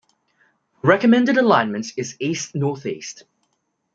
The recommended alignment is east-northeast.